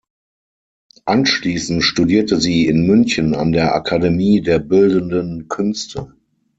Anschließend studierte sie in München an der Akademie der Bildenden Künste.